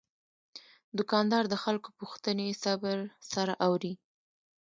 دوکاندار د خلکو پوښتنې صبر سره اوري.